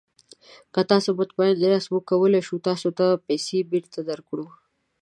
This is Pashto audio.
که تاسو مطمین نه یاست، موږ کولی شو تاسو ته پیسې بیرته درکړو.